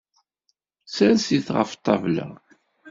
Sers-it ɣef ṭṭabla.